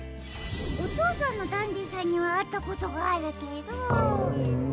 おとうさんのダンディさんにはあったことがあるけど。